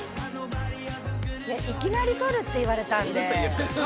いきなり撮るって言われたんで。